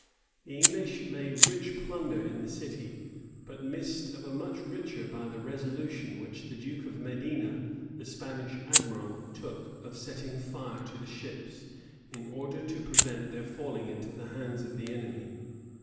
The English made rich plunder in the city; but missed of a much richer by the resolution which the duke of Medina, the Spanish admiral, took of setting fire to the ships, in order to prevent their falling into the hands of the enemy.